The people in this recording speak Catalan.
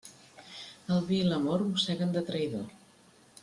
El vi i l'amor mosseguen de traïdor.